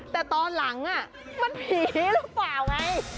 แต่ตอนหลังมันผีหรือเปล่าไง